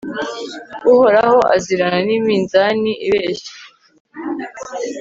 uhoraho azirana n'iminzani ibeshya